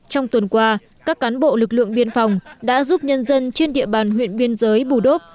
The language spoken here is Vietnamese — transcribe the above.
trong tuần qua các cán bộ lực lượng biên phòng đã giúp nhân dân trên địa bàn huyện biên giới bù đốp